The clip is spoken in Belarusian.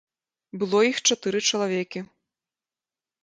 Было іх чатыры чалавекі.